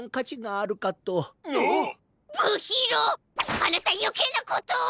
あなたよけいなことを！